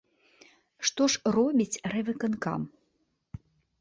Што ж робіць райвыканкам?